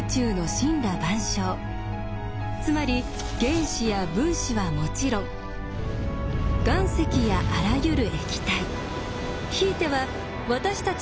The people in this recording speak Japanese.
つまり原子や分子はもちろん岩石やあらゆる液体ひいては私たち